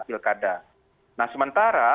pilkada nah sementara